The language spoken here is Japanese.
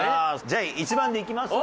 じゃあ１番でいきます？